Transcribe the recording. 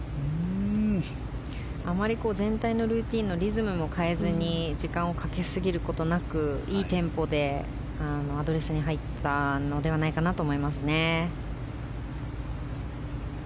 あまり全体のルーティンのリズムを変えずに時間をかけすぎることなくいいテンポでアドレスに入ったのではないかと思いますね。